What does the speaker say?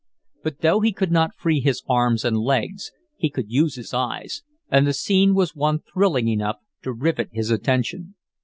But though he could not free his arms and legs, he could use his eyes, and the scene was one thrilling enough to rivet his attention.